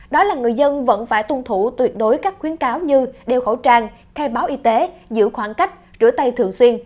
đó là người dân vẫn phải tuân thủ tuyệt đối các khuyến cáo như đeo khẩu trang khai báo y tế giữ khoảng cách rửa tay thường xuyên